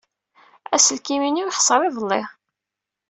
Aselkim-inu yexṣer iḍelli.